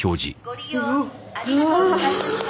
「ご利用ありがとうございました」